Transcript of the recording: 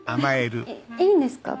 いいいんですか？